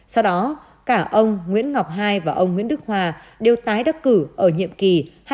sau đó cả ông nguyễn ngọc hai và ông nguyễn đức hòa đều tái đắc cử ở nhiệm kỳ hai nghìn một mươi sáu hai nghìn hai mươi